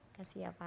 makasih ya pak